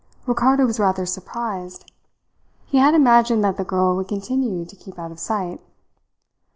Ricardo was rather surprised. He had imagined that the girl would continue to keep out of sight.